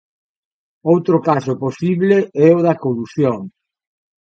Outro caso posible é o da "colusión".